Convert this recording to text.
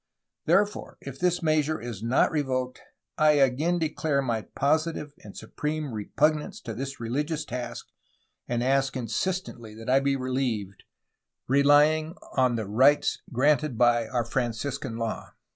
Therefore, if this measure is not revoked, I again declare my positive and su preme repugnance to this religious task and ask insistently that I be relieved, relying on [the rights granted by] ... our Fran ciscan law